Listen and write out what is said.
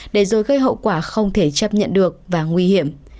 để rồi gây hậu quả không thể chấp nhận được và nguy hiểm